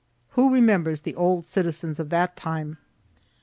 Who remembers the old citizens of that time?